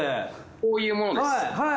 こういうものです。